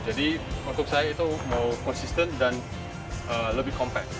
jadi untuk saya itu mau consistent dan lebih compact